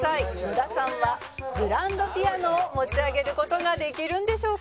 「野田さんはグランドピアノを持ち上げる事ができるんでしょうか？」